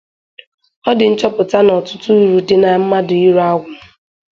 ọ dị nchọpụta na ọtụtụ uru dị na mmadụ ịrụ agwụ